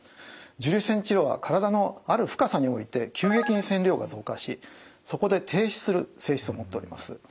重粒子線治療は体のある深さにおいて急激に線量が増加しそこで停止する性質を持っております。